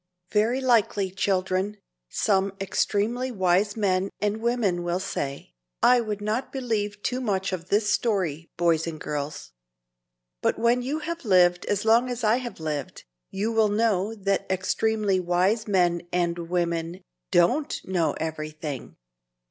Very likely, children, some extremely wise men and women will say, "I would not believe too much of this story, boys and girls." But when you have lived as long as I have lived, you will know that extremely wise men and women don't know everything.